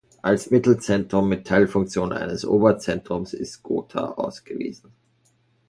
Als Mittelzentrum mit Teilfunktion eines Oberzentrums ist Gotha ausgewiesen.